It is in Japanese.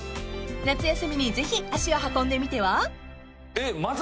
［夏休みにぜひ足を運んでみては？］